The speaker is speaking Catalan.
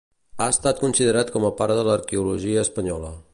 Ha estat considerat com a pare de l'arqueologia espanyola.